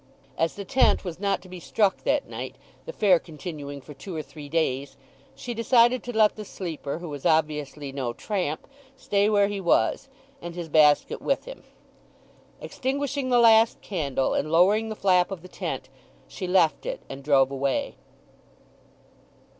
As the tent was not to be struck that night, the fair continuing for two or three days, she decided to let the sleeper, who was obviously no tramp, stay where he was, and his basket with him. Extinguishing the last candle, and lowering the flap of the tent, she left it, and drove away.